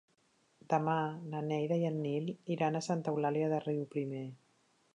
Demà na Neida i en Nil iran a Santa Eulàlia de Riuprimer.